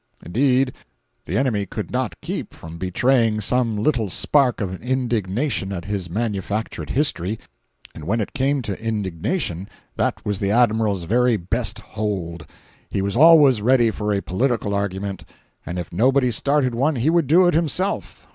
Indeed, the enemy could not keep from betraying some little spark of indignation at his manufactured history—and when it came to indignation, that was the Admiral's very "best hold." He was always ready for a political argument, and if nobody started one he would do it himself.